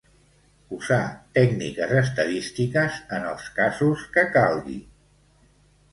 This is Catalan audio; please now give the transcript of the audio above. Usar tècniques estadístiques en el casos que calgui.